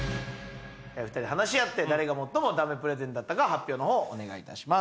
２人で話し合って誰が最もだめプレゼンだったか発表の方お願いいたします。